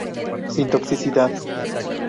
Sin toxicidad.